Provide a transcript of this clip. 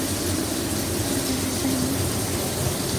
کہاں لگنے چاہئیں۔